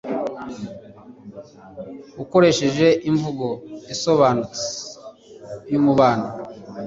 Ukoresheje imvugo isobanutse yumubano